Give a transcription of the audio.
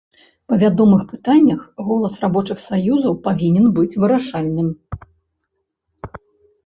Па вядомых пытаннях голас рабочых саюзаў павінен быць вырашальным.